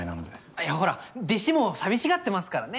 あっいやほら弟子も寂しがってますからね。